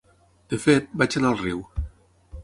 De fet, vaig anar al riu.